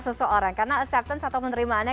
seseorang karena acceptance atau penerimaannya